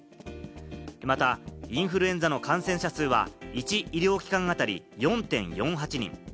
またインフルエンザの感染者数は１医療機関あたり、４．４８人。